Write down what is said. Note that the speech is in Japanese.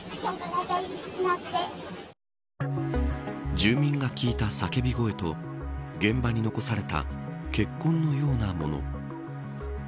住民が聞いた叫び声と現場に残された血痕のようなもの。